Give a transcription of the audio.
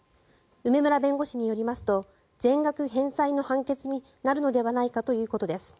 梅村弁護士によりますと全額返済の判決になるのではないかということです。